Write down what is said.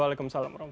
waalaikumsalam wr wb